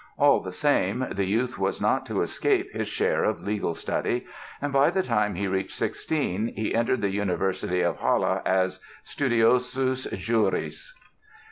All the same, the youth was not to escape his share of legal study; and by the time he reached 16 he entered the University of Halle as "studiosus juris."